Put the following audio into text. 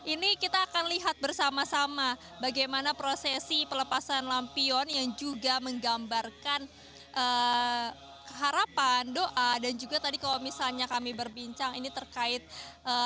ini kita akan lihat bersama sama bagaimana prosesi pelepasan lampion yang juga menggambarkan harapan doa dan juga tadi kalau misalnya kami berbincang ini terkait dengan